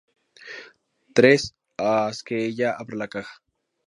Tres: haz que ella abra la caja.